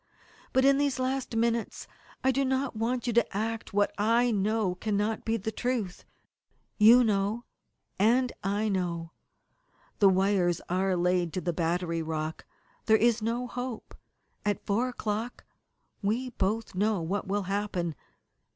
But in these last minutes I do not want you to act what I know cannot be the truth. You know and I know. The wires are laid to the battery rock. There is no hope. At four o'clock we both know what will happen.